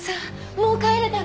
もう帰れたの？